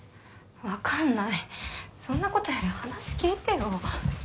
分かんないそんなことより話聞いてよ